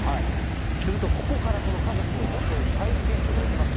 するとここからこの家族を襲う怪奇現象が起きます。